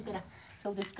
そうですか？